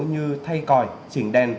như thay còi chỉnh đèn